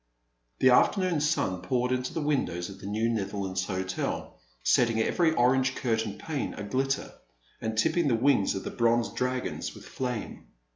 The afternoon sun poured into the windows of the New Netherlands Hotel, setting every orange curtained pane a glitter, and tipping the wings of the bronze dragons with flame.